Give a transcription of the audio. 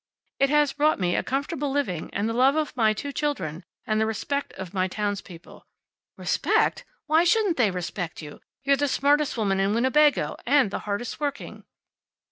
"It has brought me a comfortable living, and the love of my two children, and the respect of my townspeople." "Respect? Why shouldn't they respect you? You're the smartest woman in Winnebago, and the hardest working."